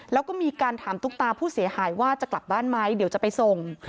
แล้วก็มีการถามตุ๊กตาผู้เสียหายว่าจะกลับบ้านไหมเดี๋ยวจะไปส่ง